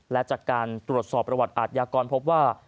และจากการตรวจสอบประวัติอาทยากรพบว่า